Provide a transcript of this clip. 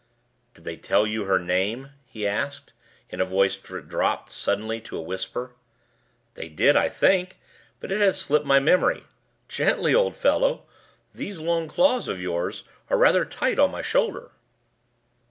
"Did they tell you her name?" he asked, in a voice that dropped suddenly to a whisper. "They did, I think. But it has slipped my memory. Gently, old fellow; these long claws of yours are rather tight on my shoulder."